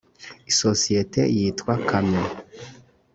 isosiyete yitwa kamyo